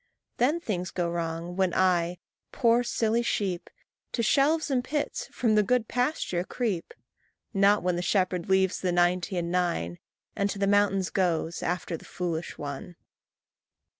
Then things go wrong, when I, poor, silly sheep, To shelves and pits from the good pasture creep; Not when the shepherd leaves the ninety and nine, And to the mountains goes, after the foolish one.